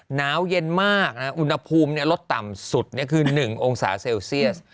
หนาวเย็นมากอุณหภูมิลดต่ำสุดคือ๑องศาเซลเซียส